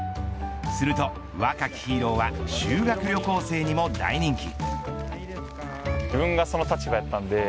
すると、若きヒーローは修学旅行生にも大人気。